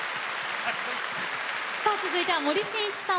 続いては、森進一さん